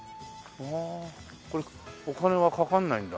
これお金はかかんないんだ。